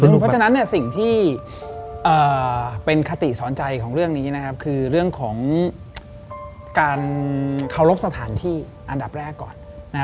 เพราะฉะนั้นสิ่งที่เป็นคติสอนใจของเรื่องนี้นะครับคือเรื่องของการเคารพสถานที่อันดับแรกก่อน